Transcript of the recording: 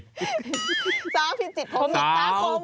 สาวผิดจิตผมหิกตาพม